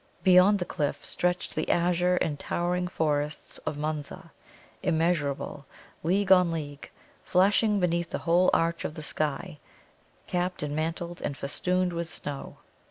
Beyond the cliff stretched the azure and towering forests of Munza, immeasurable, league on league, flashing beneath the whole arch of the sky, capped and mantled and festooned with snow.